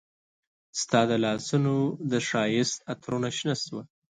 ستا د لاسونو د ښایست عطرونه شنه شوه